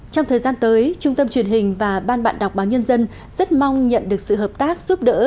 trong thời gian tới trung tâm truyền hình và ban bạn đọc báo nhân dân rất mong nhận được sự hợp tác giúp đỡ